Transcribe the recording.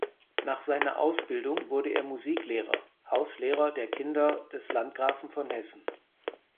Nach seiner Ausbildung wurde er Musiklehrer (Hauslehrer) der Kinder des Landgrafen von Hessen.